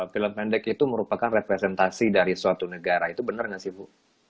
film pendek itu merupakan representasi dari suatu negara itu benar nggak sih bu